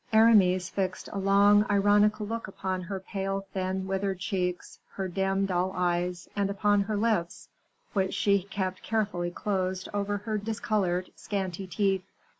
Aramis fixed a long ironical look upon her pale, thin, withered cheeks her dim, dull eyes and upon her lips, which she kept carefully closed over her discolored scanty teeth.